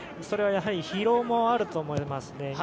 それは、やはり疲労もあると思いますね。